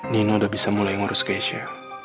nina udah bisa mulai ngurus keisha